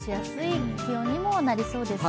２３度ですから、過ごしやすい気温にもなりそうですね